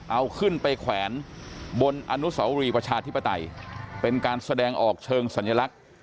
เอาขึ้นไปแขวนบนอนุสาวรีประชาธิปไตยเป็นการแสดงออกเชิงสัญลักษณ์